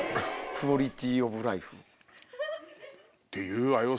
クオリティー・オブ・ライフ？って言うわよ